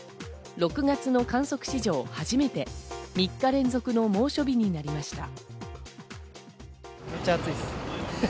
６月の観測史上初めて３日連続の猛暑日になりました。